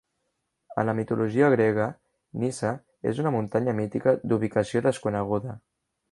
En la mitologia grega Nysa és una muntanya mítica d'ubicació desconeguda.